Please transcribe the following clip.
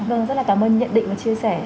rất là cảm ơn nhận định và chia sẻ